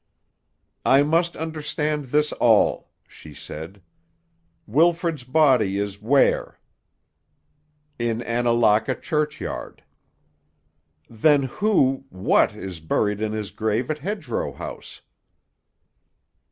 "I must understand this all," she said. "Wilfrid's body is where?" "In Annalaka churchyard." "Then who—what is buried in his grave at Hedgerow House?"